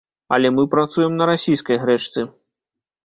Але мы працуем на расійскай грэчцы.